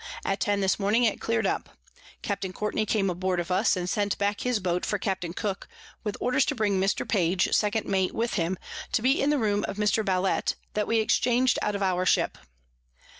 At ten this morning it clear'd up: Capt. Courtney came aboard of us, and sent back his Boat for Capt. Cook, with Orders to bring Mr. Page, second Mate, with him, to be in the room of Mr. Ballett, that we exchang'd out of our Ship.